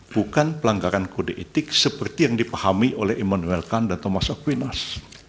bukan pelanggaran kode etik seperti yang dipahami oleh emmanuel kanda thomas akuinas